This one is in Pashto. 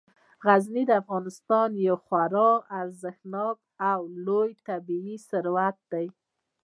غزني د افغانستان یو خورا ارزښتناک او لوی طبعي ثروت دی.